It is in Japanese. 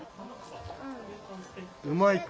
うまいか？